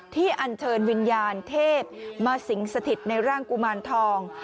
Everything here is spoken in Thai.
อันเชิญวิญญาณเทพมาสิงสถิตในร่างกุมารทอง